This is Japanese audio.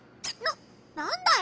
ななんだよ？